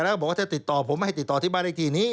แล้วบอกว่าถ้าติดต่อผมให้ติดต่อที่บ้านเลขที่นี้